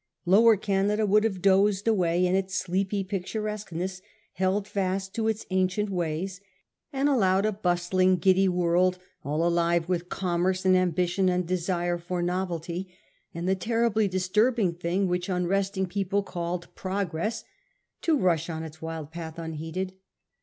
Lower Canada would have dozed away in its sleepy picturesqueness, held fast to its ancient ways, . and allowed a bustling giddy world, all alive with commerce and ambition, and desire for novelty and the terribly disturbing thing which un resting people called progress, to rush on its wild path unheeded.